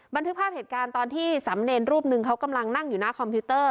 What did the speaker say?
บันทึกภาพเหตุการณ์ตอนที่สำเนรรูปหนึ่งเขากำลังนั่งอยู่หน้าคอมพิวเตอร์